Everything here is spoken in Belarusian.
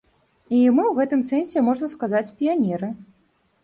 І мы ў гэтым сэнсе, можна сказаць, піянеры.